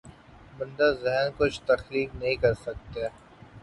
بند ذہن کچھ تخلیق نہیں کر سکتے۔